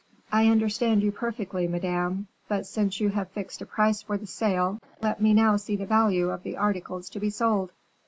"I understand you perfectly, madame. But since you have fixed a price for the sale, let me now see the value of the articles to be sold."